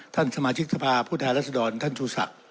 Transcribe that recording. ท่านสมาชิกทภาพผู้ท้ายรัฐศดรท่านชูศักดิ์